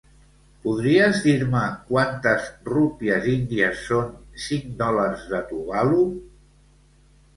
Podries dir-me quantes rúpies índies són cinc dòlars de Tuvalu?